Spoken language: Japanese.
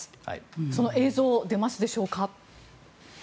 その映像出ますでしょうか。